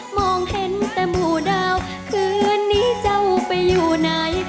มองเห็นแต่หมู่ดาวคืนนี้เจ้าไปอยู่ไหน